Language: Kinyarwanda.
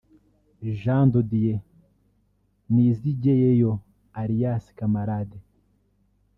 Jean de Dieu Nizigiyeyo Alias Camarade